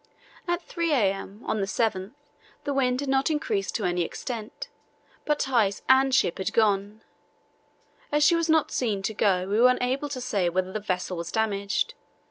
At 3 a.m. on the 7th the wind had not increased to any extent, but ice and ship had gone. As she was not seen to go we are unable to say whether the vessel was damaged.